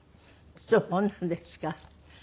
そうなんですか。